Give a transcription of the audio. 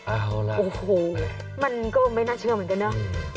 เอาล่ะโอ้โหมันก็ไม่น่าเชื่อเหมือนกันเนอะ